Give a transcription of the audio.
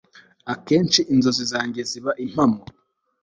akenshi ninzozi zanjye ziba impamo